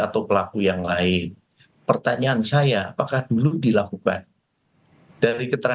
tanpa adanya foto atau sketsa